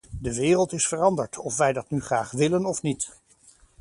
De wereld is veranderd, of wij dat nu graag willen of niet.